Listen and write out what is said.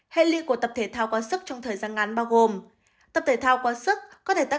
hệ lì của tập thể thao quá sức trong thời gian ngắn bao gồm tập thể thao quá sức có thể tác